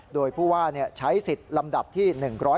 โดยผู้ว่าใช้สิทธิ์ลำดับที่๑๕